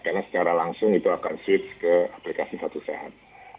karena secara langsung itu akan switch ke aplikasi satu sehat